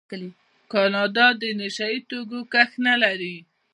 کاناډا د نشه یي توکو کښت نلري.